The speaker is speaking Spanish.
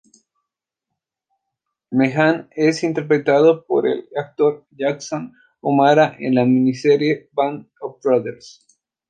Meehan es interpretado por el actor Jason O'Mara en la miniserie Band of Brothers.